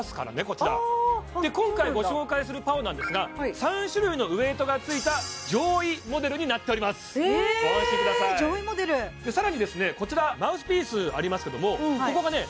こちら今回ご紹介するＰＡＯなんですが３種類のウエイトがついた上位モデルになっておりますご安心くださいえ上位モデルでさらにですねこちらマウスピースありますけどもここがね